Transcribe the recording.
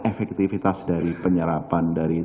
efektivitas dari penyerapan dari